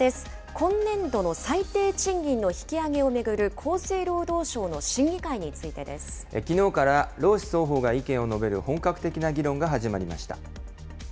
今年度の最低賃金の引き上げを巡る厚生労働省の審議会についてできのうから労使双方が意見を述べる本格的な議論が始まりました。